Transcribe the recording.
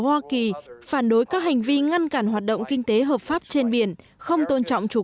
hoa kỳ phản đối các hành vi ngăn cản hoạt động kinh tế hợp pháp trên biển không tôn trọng chủ